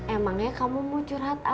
emangnya kamu mau curhat